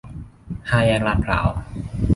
ห้าแยกลาดพร้าว